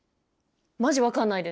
マジ分かんないです。